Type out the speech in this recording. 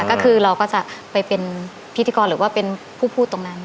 ก็คือเราก็จะไปเป็นพิธีกรหรือว่าเป็นผู้พูดตรงนั้น